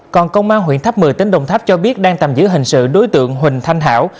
còn công an huyện tháp mười tính đồng tháp cho biết đang tạm giữ hình sự đối tượng huỳnh thanh hảo